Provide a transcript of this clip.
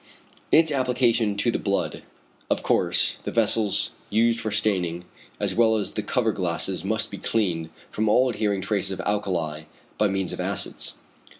In its application to the blood, of course the vessels used for staining as well as the cover glasses must be cleaned from all adhering traces of alkali by means of acids.